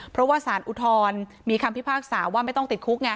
เพราะว่าสารอุทธรณ์มีคำพิพากษาว่าไม่ต้องติดคุกไง